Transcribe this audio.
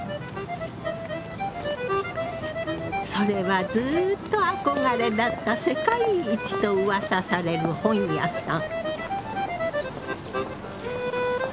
それはずっと憧れだった世界一とうわさされる本屋さん。